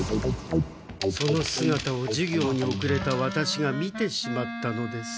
そのすがたを授業におくれたワタシが見てしまったのです。